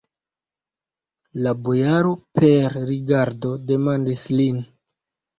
La bojaro per rigardo demandis lin.